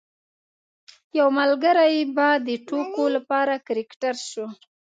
یو ملګری به د ټوکو لپاره کرکټر شو.